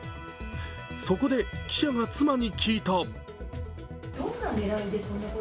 そこで記者が妻に聞いた。